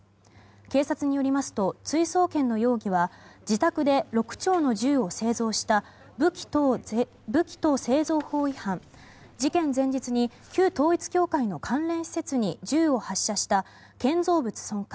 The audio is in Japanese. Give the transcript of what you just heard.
警察によりますと追送検の容疑は自宅で６丁の銃を製造した武器等製造法違反事件前日に旧統一教会の関連施設に銃を発射した建造物損壊。